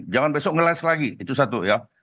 jangan besok ngelas lagi itu satu ya